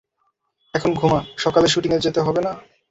এখন ঘুমা, সকালে শুটিংয়ে যেতে হবে না?